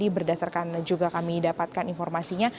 berdasarkan juga kami dapatkan informasinya